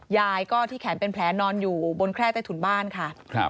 ยายก็ที่แขนเป็นแผลนอนอยู่บนแคร่ใต้ถุนบ้านค่ะ